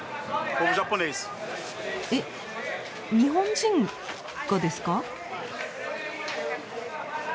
えっ？日本人がですか？